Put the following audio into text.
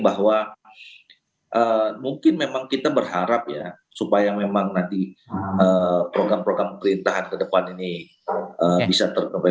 bahwa mungkin memang kita berharap ya supaya memang nanti program program pemerintahan ke depan ini bisa terpengaruh